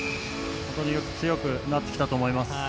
強くなってきたと思います。